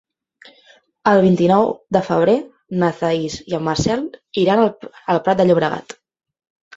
El vint-i-nou de febrer na Thaís i en Marcel iran al Prat de Llobregat.